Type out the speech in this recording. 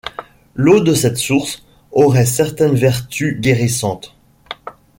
L'eau de cette source aurait certaines vertus guérissantes.